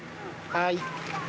はい。